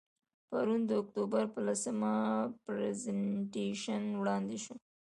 پرون د اکتوبر په لسمه، پرزنټیشن وړاندې شو.